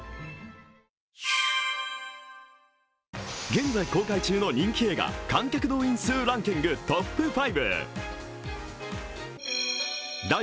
現在公開中の人気映画観客動員数ランキング、トップ５。